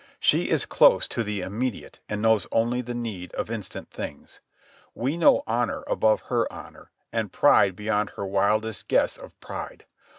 She is close to the immediate and knows only the need of instant things. We know honour above her honour, and pride beyond her wildest guess of pride.